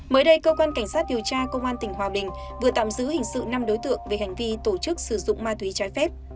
mới đây cơ quan cảnh sát điều tra công an tỉnh hòa bình vừa tạm giữ hình sự năm đối tượng về hành vi tổ chức sử dụng ma túy trái phép